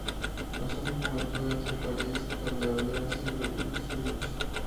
Pasó su juventud entre París, donde había nacido, y Zúrich.